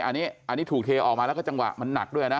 อันนี้ถูกเทออกมาแล้วก็จังหวะมันหนักด้วยนะ